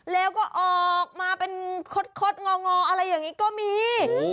แล้วก็ออกมาเป็นคดงองออะไรอย่างนี้ก็มี